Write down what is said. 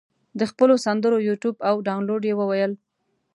د خپلو سندرو یوټیوب او دانلود یې وویل.